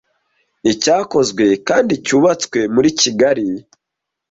Icyakozwe kandi cyubatswe muri kigali